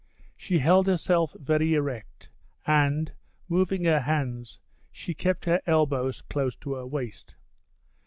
She held herself very erect and, moving her hands, she kept her elbows close to her waist.